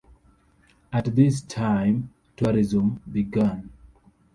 At this time tourism began.